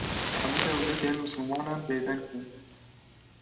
hemu dewletên mislimanan bê deng bûn